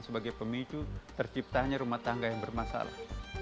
sebagai pemicu terciptanya rumah tangga yang bermasalah